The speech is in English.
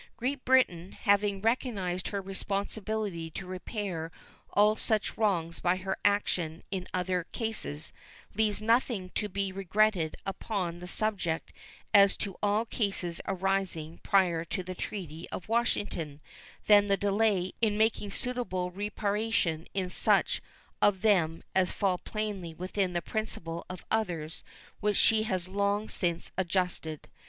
Great Britain, having recognized her responsibility to repair all such wrongs by her action in other cases, leaves nothing to be regretted upon the subject as to all cases arising prior to the treaty of Washington than the delay in making suitable reparation in such of them as fall plainly within the principle of others which she has long since adjusted.